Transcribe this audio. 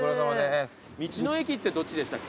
道の駅ってどっちでしたっけ？